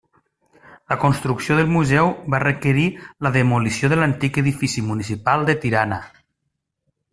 La construcció del museu va requerir la demolició de l'antic edifici municipal de Tirana.